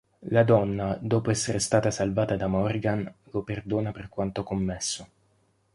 La donna, dopo essere stata salvata da Morgan, lo perdona per quanto commesso.